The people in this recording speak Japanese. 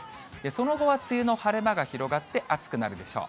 その後は梅雨の晴れ間が広がって、暑くなるでしょう。